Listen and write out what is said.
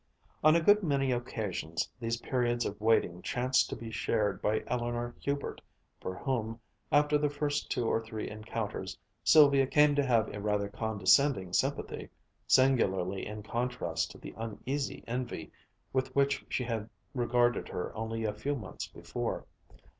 On a good many occasions these periods of waiting chanced to be shared by Eleanor Hubert, for whom, after the first two or three encounters, Sylvia came to have a rather condescending sympathy, singularly in contrast to the uneasy envy with which she had regarded her only a few months before.